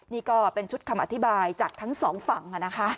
นี่ก็เป็นชุดคำอธิบายจากทั้งสองฝั่งนะคะ